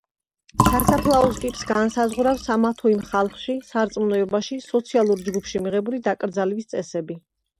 სასაფლაოს ტიპს განსაზღვრავს ამა თუ იმ ხალხში, სარწმუნოებაში, სოციალურ ჯგუფში მიღებული დაკრძალვის წესები.